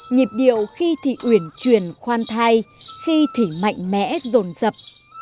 nhịp điệu khi thỉ uyển truyền khoan thai khi thỉ mạnh mẽ rồn rập